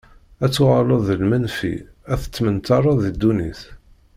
Ad tuɣaleḍ d lmenfi, ad tettmenṭareḍ di ddunit.